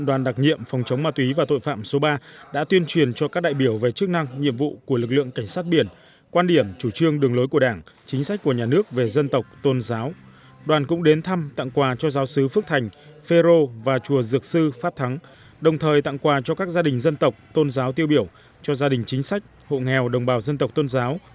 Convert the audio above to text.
đoàn đặc nhiệm phòng chống ma túy và tội phạm số ba thuộc bộ tư lệnh cảnh sát biển phối hợp với ủy ban nhân dân phường một mươi một thành phố vũng tàu tỉnh bà rịa vũng tàu đã tổ chức mô hình công tác dân vận cảnh sát biển với đồng bào dân tộc tôn giáo